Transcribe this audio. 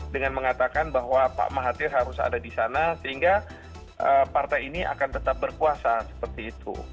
dengan mengatakan bahwa pak mahathir harus ada di sana sehingga partai ini akan tetap berkuasa seperti itu